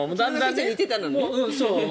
似てたのね。